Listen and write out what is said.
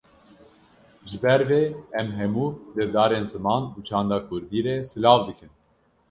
Ji ber vê em hemû dildarên ziman û çanda Kurdî re silav dikin.